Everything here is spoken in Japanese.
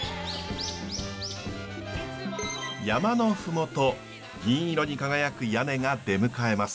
山の麓銀色に輝く屋根が出迎えます。